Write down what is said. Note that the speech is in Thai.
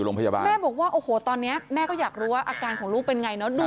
โรงพยาบาลแม่บอกว่าโอ้โหตอนนี้แม่ก็อยากรู้ว่าอาการของลูกเป็นไงเนอะดู